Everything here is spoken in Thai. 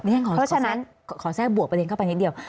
เพราะฉะนั้นขอแทรกบวกประเด็นเข้าไปนิดเดียว